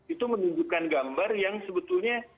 itu menunjukkan gambar yang sebetulnya